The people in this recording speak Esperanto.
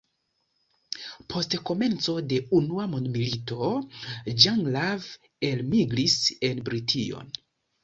Post komenco de Unua mondmilito Jean Grave, elmigris en Brition.